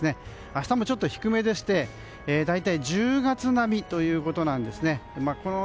明日もちょっと低めでして大体１０月並みということです。